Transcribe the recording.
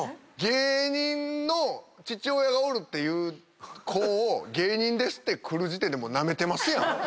芸人の父親がおるっていう子を「芸人です」って来る時点でもう。